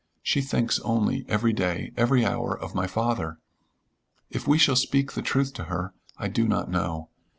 She thinks only, every day, every hour, of my father. If we shall speak the truth to her I do not know.